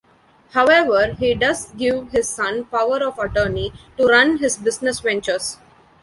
However, he does give his son power of attorney to run his business ventures.